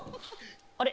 あれ？